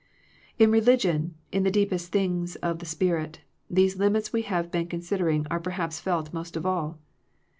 In religion, in the deepest things of the spirit, these limits we have been consid ering are perhaps felt most of all.